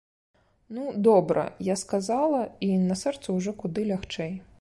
Ну, добра, я сказала, і на сэрцы ўжо куды лягчэй!